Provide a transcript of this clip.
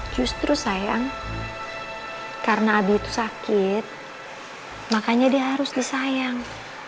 justru sayang karena abi itu sakit makanya dia harus disayang